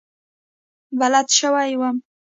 بلد شوی وم.